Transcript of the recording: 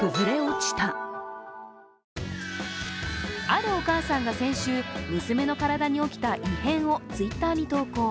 あるお母さんが先週、娘の体に起きた異変をＴｗｉｔｔｅｒに投稿。